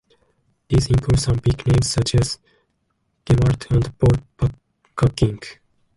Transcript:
These include some big names such as Gemalto and Ball Packaging.